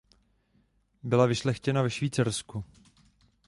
Byla vyšlechtěna ve Švýcarsku.